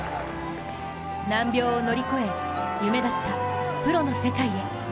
難病を乗り越え、夢だったプロの世界へ。